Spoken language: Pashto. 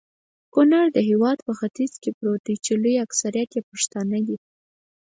کونړ د هيواد په ختیځ کي پروت دي.چي لوي اکثريت يي پښتانه دي